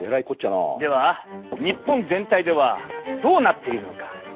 では日本全体ではどうなっているのか。